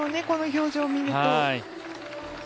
この表情を見ると。